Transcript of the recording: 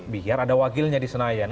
biar ada wakilnya di senayan